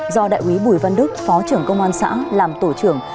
do đại quý bùi văn đức phó trưởng công an xã làm tổ trưởng